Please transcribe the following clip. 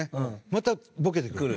またボケてくる。